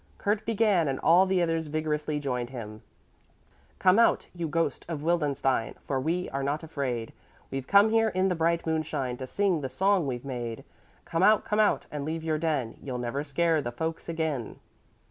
Kurt began and all the others vigorously joined him: Come out, you ghost of Wildenstein! For we are not afraid, We've come here in the bright moonshine To sing the song we've made Come out, come out, and leave your den; You'll never scare the folks again.